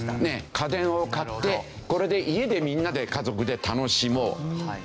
家電を買ってこれで家でみんなで家族で楽しもうとか。